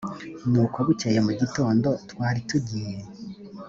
nuko bukeye mu gitondo twaritugiye